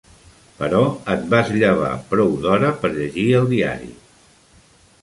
Però et vas llevar prou d'hora per llegir el diari.